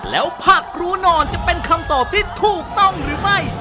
แล้วผักกรูนอนจะเป็นคำตอบที่ถูกต้องหรือไม่